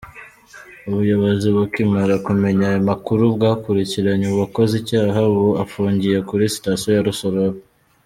Ubuyobozi bukimara kumenya aya makuru bwakurikiranye uwakoze icyaha, ubu afungiye kuri sitasiyo ya Rusororo.